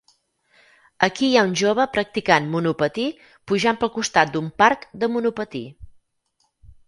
Aquí hi ha un jove practicant monopatí pujant pel costat d'un parc de monopatí.